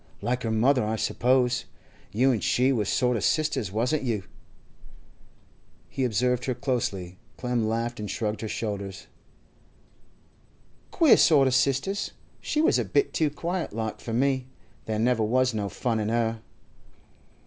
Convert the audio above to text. Like her mother, I suppose. You an' she was sort of sisters, wasn't you?' He observed her closely. Clem laughed and shrugged her shoulders. 'Queer sort o' sisters. She was a bit too quiet like for me. There never was no fun in her.